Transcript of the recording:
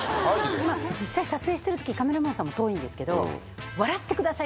実際撮影してる時カメラマンさんも遠いんですけど「笑ってください！」